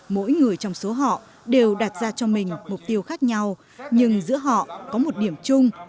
mỗi người trong số họ đều đặt ra cho mình mục tiêu khác nhau nhưng giữa họ có một điểm chung